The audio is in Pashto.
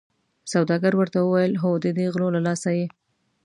سوداګر ورته وویل هو ددې غلو له لاسه یې.